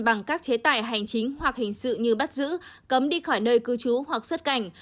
bằng các chế tài hành chính hoặc hình sự như bắt giữ cấm đi khỏi nơi cư trú hoặc xuất cảnh